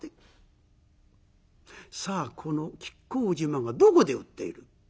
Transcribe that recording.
さあこの亀甲縞がどこで売っている。